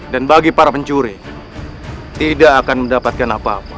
dan bagi para pencuri tidak akan mendapatkan apa apa